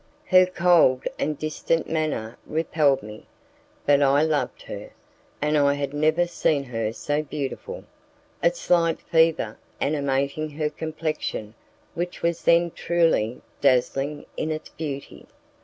Her cold and distant manner repelled me, but I loved her, and I had never seen her so beautiful, a slight fever animating her complexion which was then truly dazzling in its beauty.